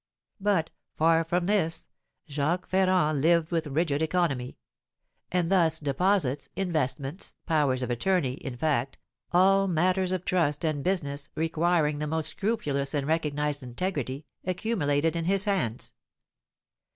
But, far from this, Jacques Ferrand lived with rigid economy; and thus deposits, investments, powers of attorney, in fact, all matters of trust and business requiring the most scrupulous and recognised integrity, accumulated in his hands.